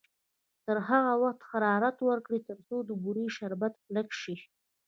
تر هغه وخته حرارت ورکړئ تر څو د بورې شربت کلک شي.